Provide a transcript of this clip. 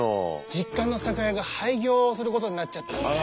実家の酒屋が廃業することになっちゃったんだよ。